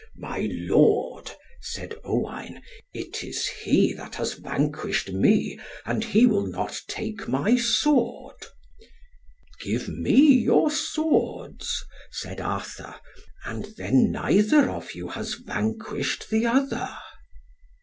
"My lord," said Owain, "it is he that has vanquished me, and he will not take my sword." "Give me your swords," said Arthur, "and then neither of you has vanquished the other."